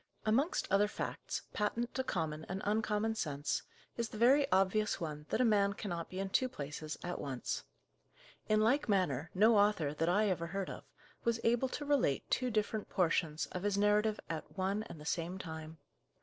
Amongst other facts, patent to common and uncommon sense, is the very obvious one that a man cannot be in two places at once. In like manner, no author, that I ever heard of, was able to relate two different portions of his narrative at one and the same time.